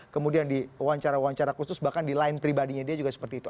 kemudian di wawancara wawancara khusus bahkan di line pribadinya dia juga seperti itu